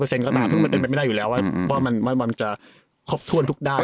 ซึ่งมันเป็นไปไม่ได้อยู่แล้วว่ามันจะครบถ้วนทุกด้าน